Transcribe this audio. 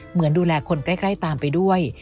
เหมือนดูแลคนใกล้ตามไปด้วย